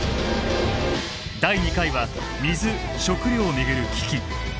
第２回は水・食料を巡る危機。